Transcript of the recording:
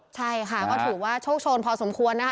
ใช่ค่ะก็ถือว่าโชคโชนพอสมควรนะคะ